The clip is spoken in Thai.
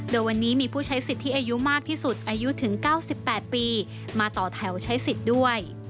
โดยวันนี้มีผู้ใช้สิทธิ์ที่อายุมากที่สุดอายุถึง๙๘ปีมาต่อแถวใช้สิทธิ์ด้วย